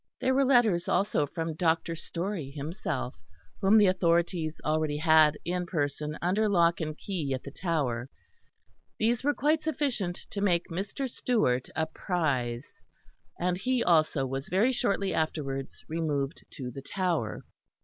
There were letters also from Dr. Storey himself, whom the authorities already had in person under lock and key at the Tower. These were quite sufficient to make Mr. Stewart a prize; and he also was very shortly afterwards removed to the Tower.